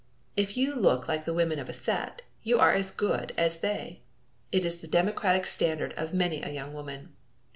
If you look like the women of a set, you are as "good" as they, is the democratic standard of many a young woman.